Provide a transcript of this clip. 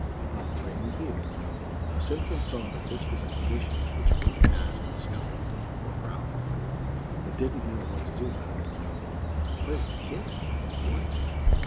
"About playing with you." Now Simpkins saw that this was a condition which wouldn't pass with scowling or growling, but didn't know what to do about it. Play with a kid? _What?